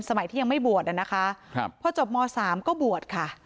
สมัยที่ยังไม่บวชนะคะพอจบม๓ก็บวชค่ะ